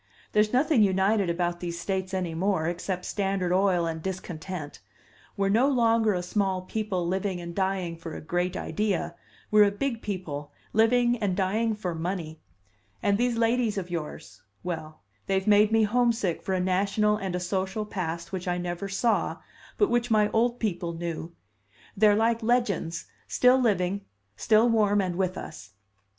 There's nothing united about these States any more, except Standard Oil and discontent. We're no longer a small people living and dying for a great idea; we're a big people living and dying for money. And these ladies of yours well, they have made me homesick for a national and a social past which I never saw, but which my old people knew. They're like legends, still living, still warm and with us.